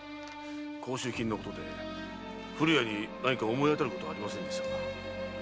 甲州金のことで古谷に何か思い当たることはありませんでしたか？